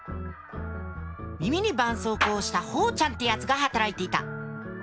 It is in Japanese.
耳にばんそうこうをしたほーちゃんってやつが働いていた。